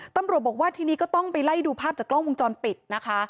ตำรวจบอกว่าทีนี้ก็ต้องไปไล่ดูภาพจากกล้องวงจรปิดนะคะ